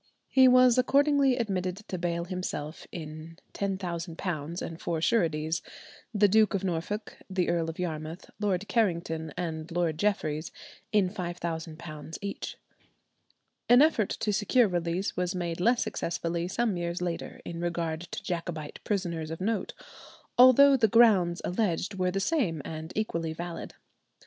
He was accordingly admitted to bail himself in £10,000, and four sureties—the Duke of Norfolk, the Earl of Yarmouth, Lord Carrington, and Lord Jeffereys—in £5,000 each. An effort to secure release was made less successfully some years later in regard to Jacobite prisoners of note, although the grounds alleged were the same and equally valid.